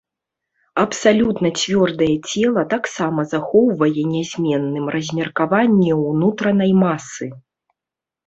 Абсалютна цвёрдае цела таксама захоўвае нязменным размеркаванне ўнутранай масы.